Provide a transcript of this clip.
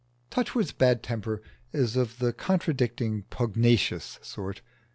Touchwood's bad temper is of the contradicting pugnacious sort.